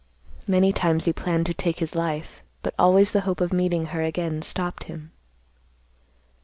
Many times he planned to take his life, but always the hope of meeting her again stopped him.